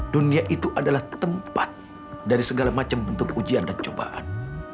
dunia itu adalah tempat dari segala macam bentuk ujian dan cobaan